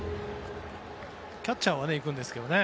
キャッチャーは行くんですけど。